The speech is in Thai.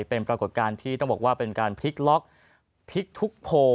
เป็นปรากฏการณ์ที่ต้องบอกว่าเป็นการพลิกล็อกพลิกทุกโพล